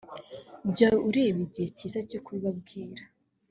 jya ureba igihe cyiza cyo kubibabwira